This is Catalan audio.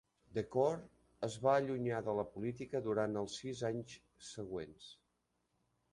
Decore es va allunyar de la política durant els sis anys següents.